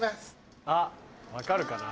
あっ分かるかな？